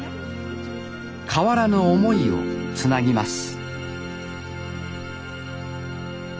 変わらぬ思いをつなぎます。